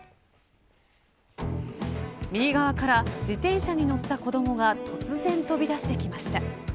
右側から自転車に乗った子どもが突然飛び出してきました。